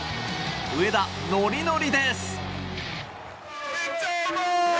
上田、ノリノリです。